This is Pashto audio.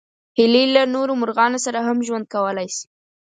هیلۍ له نورو مرغانو سره هم ژوند کولی شي